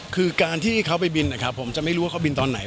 คือการที่เขาไปบินนะครับผมจะไม่รู้ว่าเขาบินตอนไหน